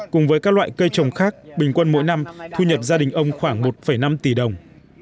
cùng với các loại cây trồng khác bình quân mỗi năm thu nhập gia đình ông khoảng một năm tỷ đồng